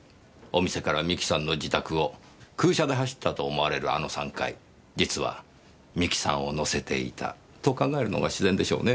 お店から美紀さんの自宅を空車で走ったと思われるあの３回実は美紀さんを乗せていたと考えるのが自然でしょうね。